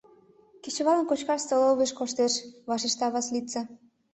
Кечывалым кочкаш столовыйыш коштеш, — вашешта Васлица.